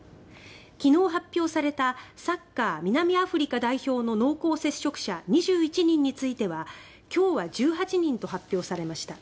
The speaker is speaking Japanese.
昨日発表されたサッカー南アフリカ代表の濃厚接触者２１人については今日は１８人と発表されました。